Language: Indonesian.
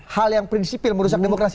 hal yang prinsipil merusak demokrasi